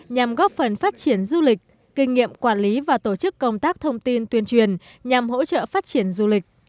nhằm góp phần phát triển du lịch kinh nghiệm quản lý và tổ chức công tác thông tin tuyên truyền nhằm hỗ trợ phát triển du lịch